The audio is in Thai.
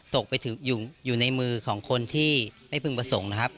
ตกไปอยู่ในมือของคนที่ไม่พึงประสงค์นะครับ